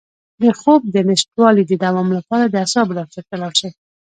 د خوب د نشتوالي د دوام لپاره د اعصابو ډاکټر ته لاړ شئ